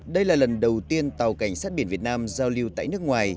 đây là lần đầu tiên tàu cảnh sát biển việt nam giao lưu tại nước ngoài